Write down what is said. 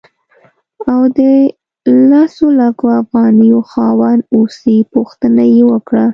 او د لسو لکو افغانیو خاوند اوسې پوښتنه یې وکړه.